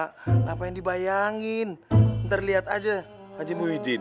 nggak ngapain dibayangin ntar liat aja haji muhyiddin